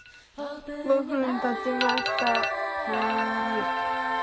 ５分たちました。